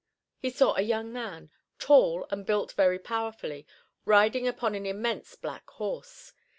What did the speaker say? He saw a young man, tall, and built very powerfully, riding upon an immense black horse.